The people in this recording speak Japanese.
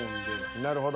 なるほど。